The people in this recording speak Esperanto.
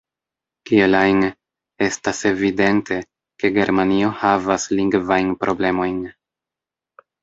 Kiel ajn, estas evidente, ke Germanio havas lingvajn problemojn.